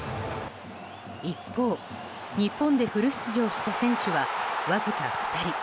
一方、日本でフル出場した選手はわずか２人。